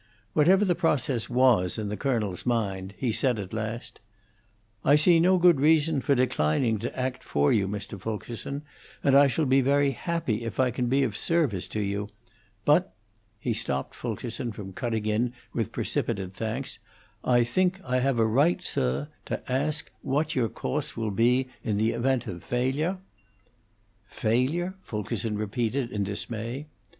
Whatever the process was in the colonel's mind, he said at last: "I see no good reason for declining to act for you, Mr. Fulkerson, and I shall be very happy if I can be of service to you. But" he stopped Fulkerson from cutting in with precipitate thanks "I think I have a right, sir, to ask what your course will be in the event of failure?" "Failure?" Fulkerson repeated, in dismay.